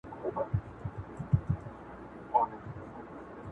زندګي هم يو تجربه وه ښه دى تېره سوله,